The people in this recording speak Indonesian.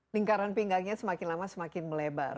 lingkaran pinggangnya semakin lama semakin melebar